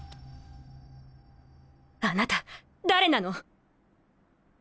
あなた誰なの？